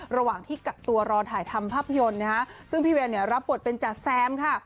ระหว่างที่กักตัวรอถ่ายทำภาพยนตร์นะคะซึ่งพี่เวียนเนี่ยรับบทเป็นจ๋าแซมค่ะ